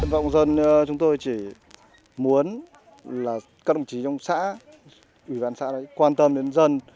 cộng dân chúng tôi chỉ muốn là các đồng chí trong xã ủy ban xã quan tâm đến dân